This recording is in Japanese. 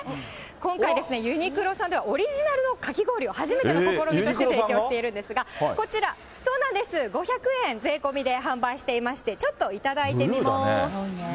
今回、ユニクロさんではオリジナルのかき氷を、初めての試みとして提供しているんですが、こちら、そうなんです、５００円、税込みで販売していまして、ちょっと頂いてみます。